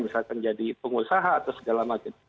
misalkan jadi pengusaha atau segala macam